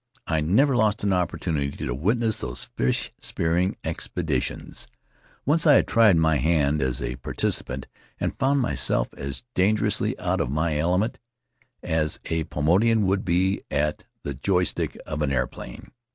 I never lost an opportunity to wit ness those fish spearing expeditions. Once I had tried my hand as a participant and found myself as danger ously out of my element as a Paumotuan would be at Faery Lands of the South Seas the joy stick of an airplane.